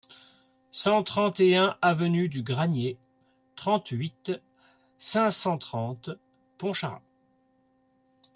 cent trente et un avenue du Granier, trente-huit, cinq cent trente, Pontcharra